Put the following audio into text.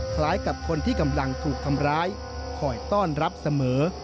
คล้ายกับคนที่กำลังถูกทำร้ายคอยต้อนรับเสมอ